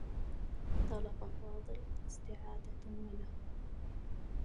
طلب فاضل استعادة ماله.